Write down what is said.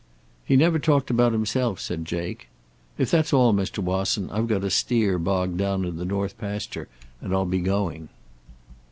"He never talked about himself," said Jake. "If that's all, Mr. Wasson, I've got a steer bogged down in the north pasture and I'll be going."